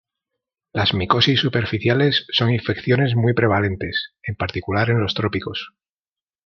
Las micosis superficiales son infecciones muy prevalentes, en particular en los trópicos.